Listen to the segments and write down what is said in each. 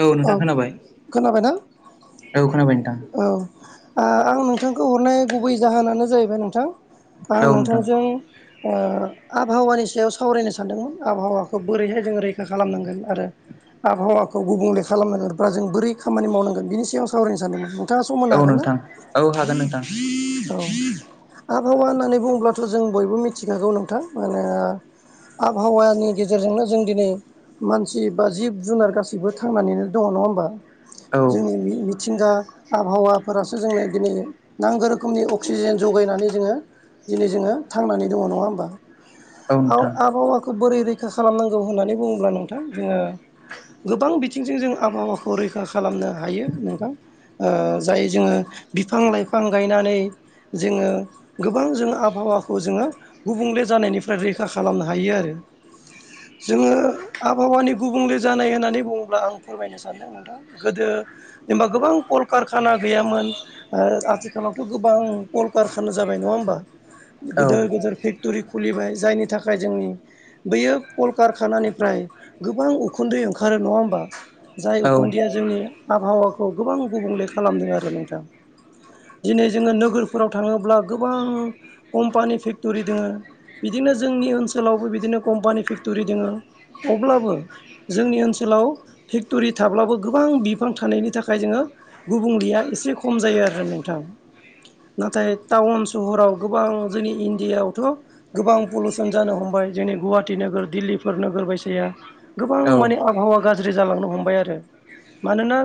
औ नोंथां खोनाबाय खोनाबायना औ खोनाबाय नोंथां आ आं नोंथांखौ हरनाय गुबै जाहोनानो जाहैबाय नोंथां आं नोंथां नोंथांजों ओ आबहावानि सायाव सावरायनो सानदोंमोन आबहावाखौ बोरैहाय जोंङो रैखा खालामनांगोन आरो आबहावाखौ गुबुंले खालामनांगोनबा जों बोरै खामानि मावनांगोन बिनि सायाव आं सावरायनो सानदोंमोन नोंथाङा सम होनो औ हागोन ना नोंथां औ हागोन नोंथां आहावा होननानै बुङोब्लाथ' जों बयबो मिथिखागौ नोंथां माने आबहावानि गेजेरजोंनो जों दिनै मानसि बा जिब-जुनार गासिबो थांनानैनो दङ नङा होमबा औ जोंनि मिथिंगा आबहावाफोरासो जोंनो दिनै नांगो रो खोमनि अक्सिजेन जगायनानै जोङो दिनै जोङो थांनानै दङ नङा होमबा औ आबहावाखौ बोरै रैखा खालामनांगौ होननानै बुङोब्ला नोंथां जोङो गोबां बिथिंजों जों आबहावाखौ रैखा खालामनो हायो नोंथां। ओ जाय जोङो बिफां-लाइफां गायनानै जोङो गोबां जोङो आबहावाखौ जोङो गुबुंले जानायनिफ्राय रैखा खालामनो हायो आरो [unintelligible] जोङो आबहावानि गुबुंले जानाय होननानै बुङोब्ला आं फोरमायनो सानदों नोंथां गोदो जेनबा गोबां कल कारकाना गैयामोन ओ आथिखालाव गोबां कल कारखाना जाबाय नङा होमबा औ गोदोर गोदोर फेक्टरि खुलिबाय जायनि थाखाय जोंनि बैयो कलकारखानानिफ्राय गोबां उखुन्दै ओंखारो नङा होमबा जाय उखुन्दैया औ जोंनि आबहावाखौ गोबां गुबुंले खालामदों आरो नोंथां दिनै जोङो नोगोरफोराव थाङोब्ला गोबां कम्पानि फेक्ट'रि दोङो बिदिनो जोंनि ओनसोलावबो बिदिनो कम्पानि फेक्ट'रि दोङो अब्लाबो जोंनि ओनसोलाव फेक्ट'रि थाब्लाबो गोबां बिफां थानायनि थाखाय जोङो गुबुंलेया एसे खम जायो आरो नोंथां नाथाय टाउन सहराव गोबां जोंनि इण्डियायावथ' गोबां पलुसन जानो हमबाय जोंनि गुवाटि नोगोर दिल्लिफोर नोगोर बायसाया गोबां औ माने आबहावा गाज्रि जालांनो हमबाय आरो मानोना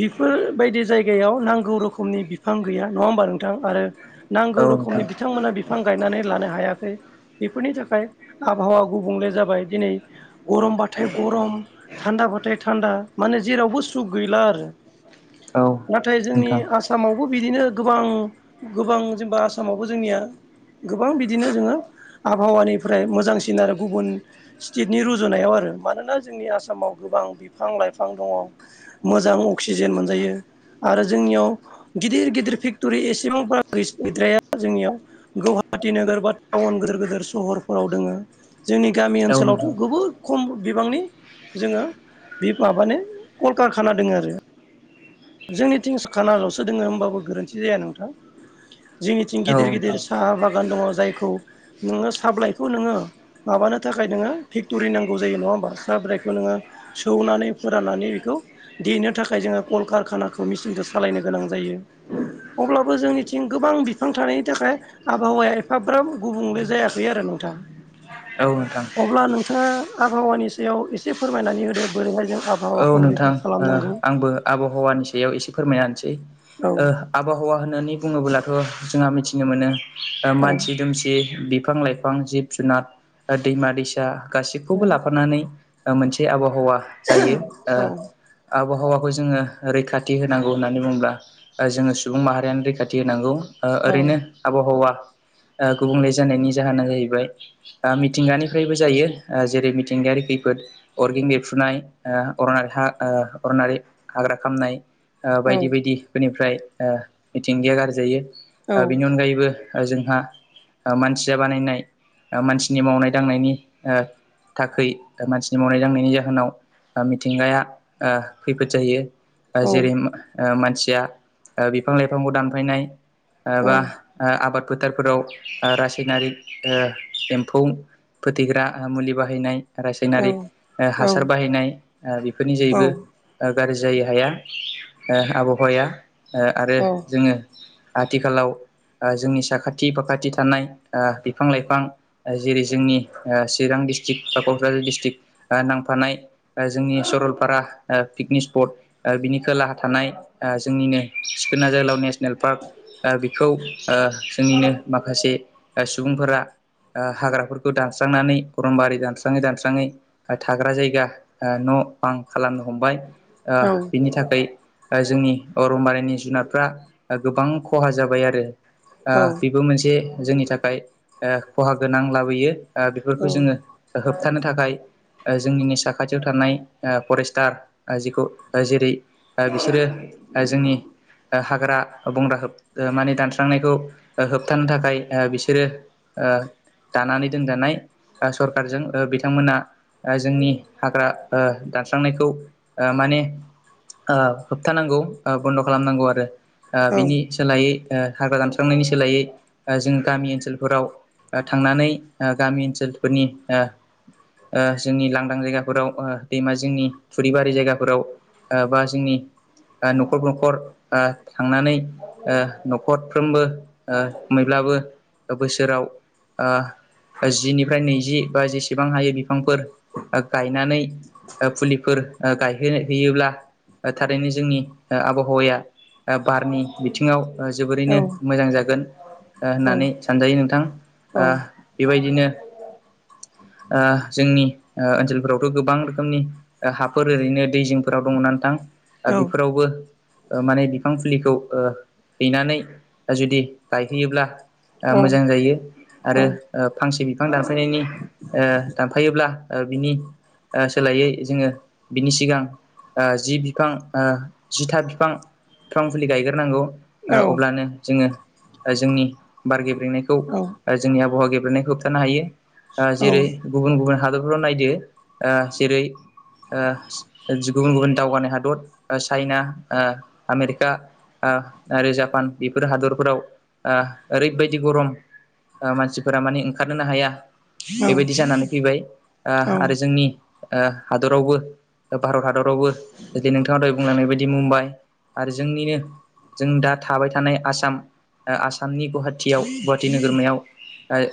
बेफोरबायदि जायगायाव नांगौ रोखोमनि बि फां गैया नङा होमबा नोंथां आरो नांगौ औ नोंथां रोखोमनि बिथांमोना बिफां गायनानै लानो हायाखै बेफोरनि थाखाय आबहावा गुबुंले जाबाय दिनै गरम बाथाय गरम थान्दा बाथाय थान्दा माने जेरावबो सुख गैला आरो औ नाथाय जोंनि नोंथां आसामाव बो बिदिनो गोबां गोबां जेनेबा आसामावबो जोंनिया गोबां बिदिनो जोङो आबहावानिफ्राय मोजांसिन आरो गुबुन स्टेटनि रुजुनायाव आरो मानोना जोंनि आसामाव गो गोबां बिफां लाइफां दङ मोजां अक्सिजेन मोनजायो आरो जोंनियाव गिदिर गिदिर फेक्ट'रि एसेबांब गैद्राया जोंनियाव गुवाहाटि नोगोर बा टाउन गोदोर गोदोर सहरफोराव दोङो जोंनि गामि औ नोंथां ओनसोलावथ' गोबोद खम बिबांनि जोङो बे माबानि कलकारखाना दोङ आरो जोंनिथिं खानाल'सो दोङो होनोमबाबो गोरोन्थि जाया नोंथां जोंनिथिं औ गिदिर नोंथां गिदिर साहा बागान दङ जायखौ नोङो साहाब्लाइखौ नोङो माबा माबानो थाखाय नोङो फेक्ट'रि नांगौ जायो नङा होमबा साहाब्रायखौ नोङो सौनानै फोराननानै बेखौ देनो थाखाय जोङो कलकारखानाखौ मेचिनखौ सालायनो गोनां जायो अब्लाबो जोंनिथिं गोबां बिफां थानायनि थाखाय आबहावाया एफाब्राब गुबुंले जायाखै आरोना नोंथां औ नोंथां अब्ला नोंथाङा आबहावानि सायाव एसे फोरमायनानै होदो बोरैहाय जों आबहावाखौ औ नोंथां रैखा ओ खालामनांगौ आंबो आबहावानि सायाव एसे फोरमायना होसै औ ओ आबहावा होननानै बुङोब्लाथ' जोंहा मिथिनो मोनो ओ मानसि औ दुमसि बिफां लाइफां जिब जुनार ओ दैमा दैसा गाैसिखौबो लाफानानै ओ मोनसे आबहावा जायो ओ औ आबहावा खौ जोङो रैखाथि होनांगौ होननानै बुङोब्ला ओ जोङो सुबुं माहारियानो रैखाथि होनांगौ ओ औ ओरैनो आबहावा ओ गुबुंले जानायनि जाहोना जाहैबाय ओ मिथिंगानिफ्रायबो जायो ओ जेरै मिथिंगा नि खैफोद अरगें बेरफ्रुनाय ओ अरनारि हा ओ अरनारि हाग्रा खामनाय ओ औ बायदि बायदिफोरनिफ्राय ओ मिथिंगाया गारजायो औ ओ बिनि अनगायैबो जोंहा ओ मानसिया बानायनाय ओ मानसिनि मावनाय दांनायनि ओ थाखै मानसिनि मावनाय दांनायनि जाहोनाव ओ मिथिंगाया ओ खैफोद जायो ओ जेरै ओ मानसिया ओ बिफां लाइफांखौ दानफायनाय ओ बा ओ आबाद फोथारफोराव ओ रासायनारिक ओ एम्फौ फोथैग्रा मुलि बाहायनाय रासायनारिक ओ हासार बाहायनाय ओ बेफोरनि जोहैबो गाज्रि जायो हाया ओ आबहावाया ओ आरो जोङो आथिखालाव ओ जोंनि साखाथि फाखाथि थानाय ओ बिफां लाइफां ओ जेरै जोंनि ओ चिरां डिस्ट्रिक्ट बा क'क्राझार डिस्ट्रिक्ट बा नांफानाय ओ जोंनि सरलपारा ओ पिकनिक स्पट ओ बिनि खोलाहा थानाय ओ जोंनिनो चिखना जोहोलाव नेसनेल पार्क ओ बेखौ ओ जोंनिनो माखासे ओ सुबुंफोरा ओ हाग्राफोरखौ दानस्रांनानै अरमबारि दानस्राङै दानस्राङै थाग्रा जायगा ओ न' बां खालामनो हमबाय ओ बिनि थाखै ओ जोंनि अरंबारिनि जुनारफ्रा गोबां खहा जाबाय आरो ओ बेबो मोनसे जोंनि थाखाय ओ खहा गोनां लाबोयो। ओ बेफोरखौ जोङो होबथानो थाखाय ओ जोंनि साखा खाथियाव थानाय ओ फरेस्टार जिखौ जेरै ओ बिसोरो ओ जोंनि ओ हाग्रा बंग्रा माने दानस्रांनायखौ ओ होबथानो थाखाय ओ बिसोरो ओ दानानै दोनजानाय ओ सरखारारजों औ बिथांमोना जोंनि हाग्रा ओ दानस्रांनायखौ ओ माने ओ होबथानांगौ ओ बन्द' खालामनांगौ आरो ओ बिनि सोलायै ओ हाग्रा दानस्रांनायनि सोलायै ओ जोंनि गामि ओनसोलफोराव ओ थांनानै ओ गामि ओनसोलफोरनि ओ ओ जोंनि लांदां जायगा फोराव ओ दैमा जिंनि थुरिबारि जायगाफोराव ओ बा जोंनि ओ न'खर न'खर ओ थांनानै ओ न'खरफ्रोमबो ओ मैला बो बोसोराव ओ जिनिफ्राय नैजि बा जेसेबां हायो बिफांफोर ओ गायनानै फुलिफोर ओ गायहोनो हैैयोब्ला ओ थारैनो जोंनि ओ आबहावाया ओ बारनि बिथिङाव ओ जोबोरैनो मोजां जागोन होननानै सानजायो नोंथां ओ बेबायदिनो ओ जोंनि ओ ओनसोल फोरावथ' गोबां रोखोमनि ओ हाफोर ओरैनो दैजिंफोराव दङ'ना नोंथां। ओ बेफोरावबो ओ माने बिफां फुलिखौ ओ हैनानै जुदि गायहैयोब्ला ओ औ मोजां जायो आरो ओ फांसे बि बिफां दानफायनायनि ओ दानफायोब्ला बिनि ओ सोलायै जोङो बिनि सिगां ओ जि बिफां ओ जिथा बिफां बिफां फुलि गायग्रोनांगौ ओ अब्लानो जोङो जोंनि बारगे जोंनि आबहावा गेब्रेनायखौ होबथानो हायो जेरै गुबुन गुबुन हाद नायदो जेरै ओ गुबुन गुबुन दावगानाय हादर चाइना आमेरिका ओ आरो जापान बेफोर हादरफोराव ओरैबायदि गरम ओ मानसिफोरा माने ओंखारनोनो हाया बेबायदि जानानै फैबाय औ औ आरो जोंनि ओ हादरावबो भारत हादरावबो जदि नोंथाङा द बुंलांनाय बायदि मुम्बाइ आरो जोंनिनो जों दा थाबाय थानाय आसाम आसामनि गुवाहाटटियाव गुवाहाटि नोगोरमायाव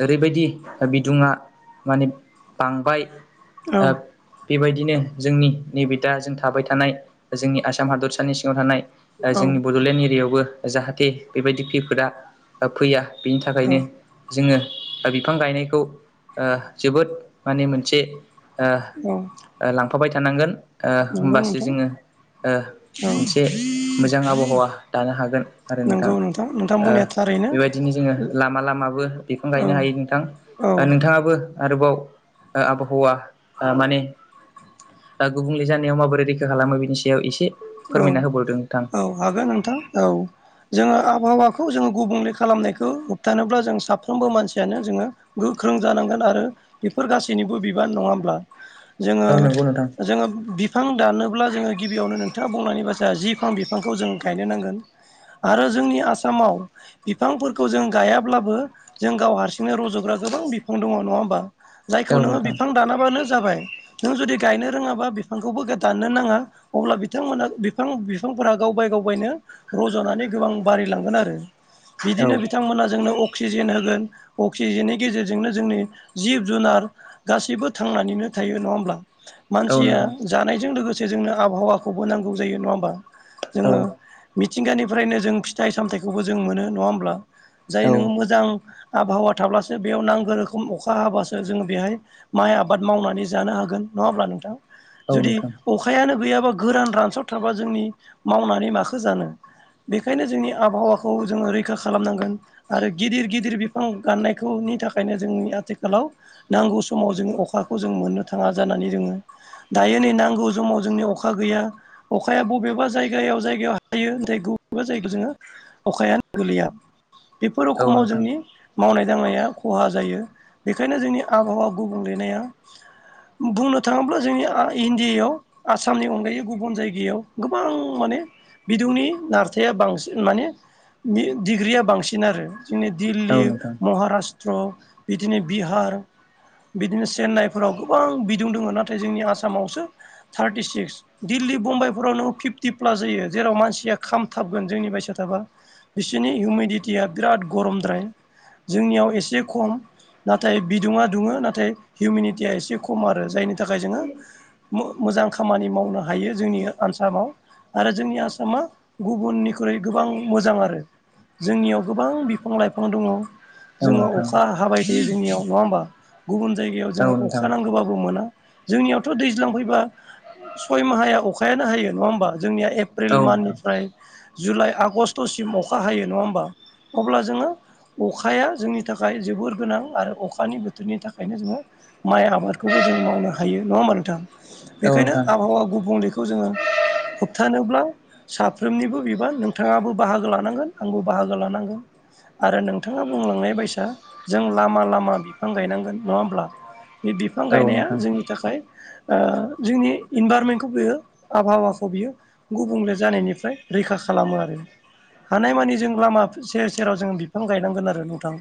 ओरैबायदि बिदुङा माने बांबाय बेबायदि बिदिनो जोंनि नैबे दाजों थाबाय थानाय जोंनि आसाम हादरसानि सिङाव थानाय जोंनि बड'लेण्ड एरियायावबो जाहाथे बेबायदि खैफोदा फैया बेनि थाखायनो जोङो बिफां गायनायखौ जोबोद माने मोनसे ओ लांफाबाय थानांगोन ओ नंगौ होमबासो ओ नोंथां जोङो औ मोनसे मोजां आबहावा दानो हागोन नंगौ नोंथां नोंथां ओ बुंनाया थारै बेबायदिनो जोङो लामा लामाबो बिफां औ गायनो हायो नोंथां औ ब नोंथाङाबो आरोबाव आबहावा ओ माने गुबुंले जानायाव माबोरै रैखा खालामो बिनि सायाव एसे औ फोरमायना होबावदों नोंथां। औ हागोन नोंथां औ जोङो आबहावाखौ जोङो गुबुंले खालामनायखौ होबथानोब्ला जों साफ्रोमबो मानसियानो जोङो गोख्रों जानांगोन आरो बेफोर गासैनिबो बिबान नङाब्ला जोङो औ नंगौ नोंथां। जोङो बिफां दानोब्ला जोङो गिबियावनो न बुंनानै ब जि फां बिफांखौ जों गायनो नांगोन आरो जोंनि आसामाव बिफां फोरफोरखौ जों गायाब्लाबो जों गाव हारसिंनो रज'ग्रा गोबां बिफां दङ नङा होमबा औ जायखौ नोङो नोंथां बिफां दानाबानो जाबाय नों जु गनो रोङा बिांखौ दनो नाङा अब्ला बिथांमोना बिफां बिफांफोरा गावबाय गावबायनो रज'नानै गोबां बारायलांगोन आरो औ बिदिनो बिथांमोना जोंनो अक्सिजेन होगोन अक्सिजेननि गेजेरजोंनो जोंनि जिब जुनार गाससिबो थांनानैनो थायो नङा होमब्ला औ मानसिया नोंथां जानायजों लोगोसे जोंनो आबहावाखौबो नांगौ जायो नङा होमा औ जोङो मिथिंगानिफ्रायनो जों फिथाइ सामथायाइखौबो जों मोनो नङा होमब्ला जाय औ नोङो मोजां आबहावा थाब्लासो बेयाव नांगौ रोखोम अखा हाब्लाासो जोङो बेहाय माइ आबाद मावनानै जानो हागोन नङाब्ला नोंथां औ जुदि नोंथां अखायानो गैयाब्ला गोरान रानसावथाराबा जोंनि मावनानै माखो जानो बेखायनो जोंनि आबहावाखौ जोङो रैखा खालामनांगोन आरो गिदिर गिदिर बिफां गाननायखौ नि थाखायनो जोंनि आथिखालाव नांगौ समाव जों अखाखौ जों मोननो थाङा जानानै जोङो दायो नै नांगौ समाव जोंनि अखा गैया ।अखाया बबेबा जायगायाव जायगायाव हायो नाथाय बबेबा जायगायाव जोङो अखाया [inaudible] गोैलैया बेफोर औ रोखोमाव नोंथां जोंनि मावनाय दांनाया खहा जायो । बेनिखायनो जोंनि आबहावा गुबुंलेनाया बुंनो थाङोब्ला जोंनि इण्डियायाव आसाम आसामनि अनगायै गुबुन जायगायाव गोबां माने बिदुंनि नारथाया बांसिन माने डिग्रिया बांसिन आरो जोंनि औ नोंथां दिल्ली औ नोंथां महाराष्ट्र बिदिनो बिहार बिदिनो चेन्नाइफोराव गोबां बिदुं दङ नाथाय जोंनि आसामावसो थार्टि सिक्स दिल्ली बुम्बाइफोरावनो फिफ्टि प्लास जायो जेराव मानसिया खामथाबगोन जोंनि बायसिया थाबा बिसोरनि हिउमिडटिया बिराद गरमद्राय जोंनियाव एसे खम- नाथाय बिदुङा दुङो नाथाय हिउमिनिटिया एसे खम आरो जायनि थाखाय जोङो मोजां खामानि मावनो हायो जोंनि आसामनसाव। आरो जोंनि आसामा गुबुननिख्रुइ गोबां मोजां आरो जोंनियाव गोबां बिफां लाइफां दङ । जोङो अखा हाबाय थायो जोंनियाव नङा होमबा? गुबुन जायगायाव औ नोंथां जोङो औ अखा नोंथां नांगौबाबो मोना। जोंनियावथ' दैज्लां फैबा सय माहाया अखायानो हायो नङा होमबा? जोंनिया एप्रिल औ माननिफ्राय जुलाइ आगषट खस्थ'सिम अखा हायो नङा होमबा अब्ला? जोङो अखाया जोंनि थाखाय जोबोर गोनां आरो अखानि बोथोरनि थाखायनो जोङो माइ आबादखौबो जों मावनो हायो नङा होमा नोंथां? बेनिखायनो नोंथां आबहावा गुबुंलेखौ जोङो होबथानोब्ला साफ्रोमनिबो बिबार नोंथाङाबो बाहागो लानांगोन आंबो बाहागो लानांगोन। आरो नोंथाङा बुंलांनाय बायसा जों लामा लामा बिफां गायनांगोन नङा होमब्ला? बे बिफां औ गायनाया नोंथां जोंनि थाखाय जोंनि इनभारमेन्टखौ बियो आबहावाखौ बियो गुबुंले जानायनिफ्राय रैखा खालामो आरो हानायमानि जों लामा सेर सेराव जों बिफां गायनांगोन आरो नोंथां।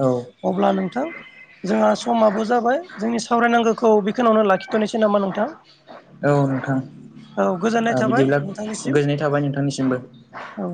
औ अब्ला नोंथां। जोंहा समाबो जाबाय जोंनि सावरायनांगौखौ बेखिनि लाखिथ'नोसै नामा नोंथां? औ नोंथां औ गोजोननाय ओ थाबाय बिदिब्ला नोंथांनिसिम गोजोननाय थाबाय नोंथांनिसिमबो। । औ